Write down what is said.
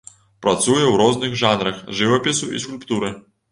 Працуе ў розных жанрах жывапісу і скульптуры.